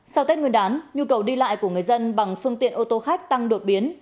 sau tết nguyên đán nhu cầu đi lại của người dân bằng phương tiện ô tô khách tăng đột biến